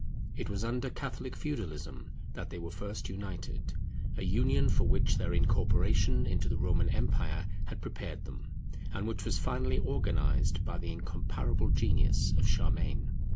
It was under Catholic Feudalism that they were first united; a union for which their incorporation into the Roman empire had prepared them, and which was finally organized by the incomparable genius of Charlemagne.